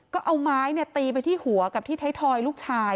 ก็เอาไม้ตีไปที่หัวกับที่ไทยทอยลูกชาย